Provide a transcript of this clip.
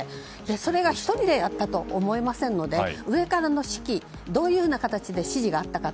それが１人でやったとは思えませんので上からの指揮どういう形で指揮があったのか。